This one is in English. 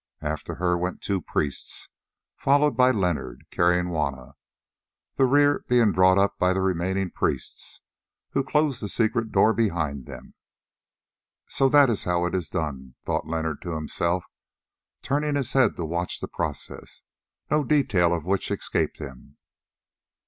After her went two priests, followed by Leonard, carrying Juanna, the rear being brought up by the remaining priests, who closed the secret door behind them. "So that is how it is done," thought Leonard to himself, turning his head to watch the process, no detail of which escaped him.